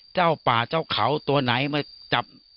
เจ้าป่าเจ้าเขาตัวไหนมาจับ